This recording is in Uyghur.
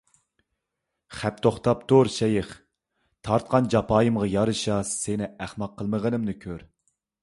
خەپ توختاپتۇر، شەيخ! تارتقان جاپايىمغا يارىشا سېنى ئەخمەق قىلمىغىنىمنى كۆر!